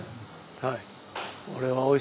はい。